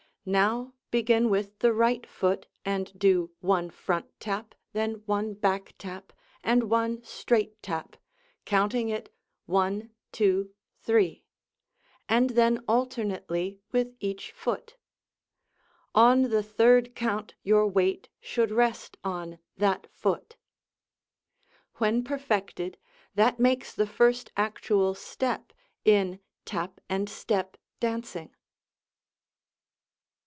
Now, begin with the right foot and do one front tap, then one back tap, and one straight tap, counting it 1, 2, 3, and then alternately with each foot. On the third count your weight should rest on that foot. When perfected, that makes the first actual step in "Tap and Step" dancing.